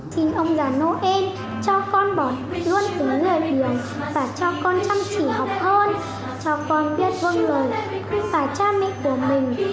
xin ông già noel cho con bỏ luôn tính người điểm và cho con chăm chỉ học hơn cho con biết vương lời và cha mẹ của mình